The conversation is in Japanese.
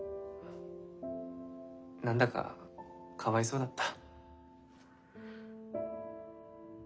何だかかわいそうだった。